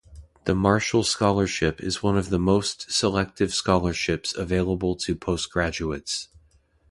The Marshall Scholarship is one of the most selective scholarships available to postgraduates.